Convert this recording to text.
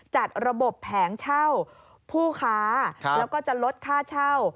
จัดระบบแผงเช่าผู้ค้าแล้วก็จะลดค่าเช่า